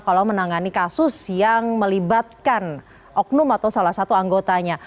kalau menangani kasus yang melibatkan oknum atau salah satu anggotanya